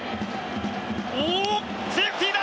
セーフティーだ！